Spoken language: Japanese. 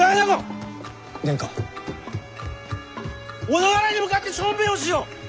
小田原に向かって小便をしよう！